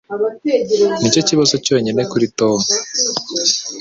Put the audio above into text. Nicyo kibazo cyonyine kuri Tom